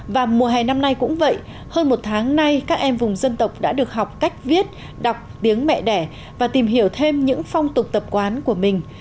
và mùa hè năm nay cũng vậy hơn một tháng nay các em vùng dân tộc đã được học cách viết đọc tiếng mẹ đẻ và tìm hiểu thêm những phong tục tập quán của mình